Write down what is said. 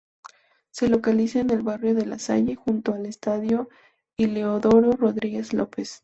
Se localiza en el barrio de La Salle, junto al estadio Heliodoro Rodríguez López.